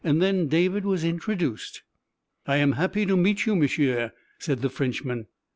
Then David was introduced. "I am happy to meet you, m'sieu," said the Frenchman.